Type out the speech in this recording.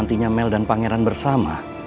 nantinya mel dan pangeran bersama